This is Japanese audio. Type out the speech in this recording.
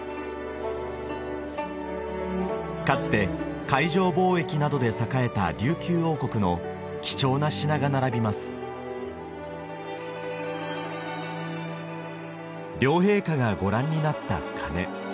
かつて海上貿易などで栄えた琉球王国の貴重な品が並びます両陛下がご覧になった鐘